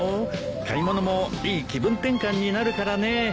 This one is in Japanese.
買い物もいい気分転換になるからね。